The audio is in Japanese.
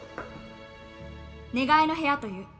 願いの部屋という。